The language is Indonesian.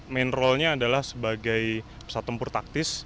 main role nya adalah sebagai pesawat tempur taktis